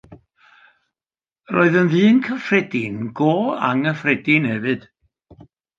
Yr oedd yn ddyn cyffredin go anghyffredin hefyd.